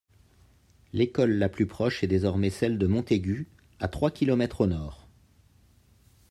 L'école la plus proche est désormais celle de Montégut, à trois kilomètres au nord.